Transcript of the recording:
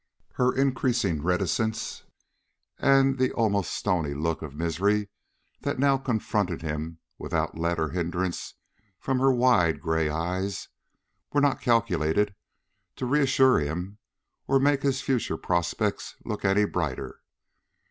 Her increasing reticence, and the almost stony look of misery that now confronted him without let or hindrance from her wide gray eyes, were not calculated to reassure him or make his future prospects look any brighter.